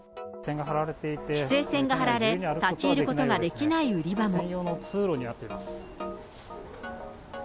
規制線が張られ、立ち入ることができない売り場も。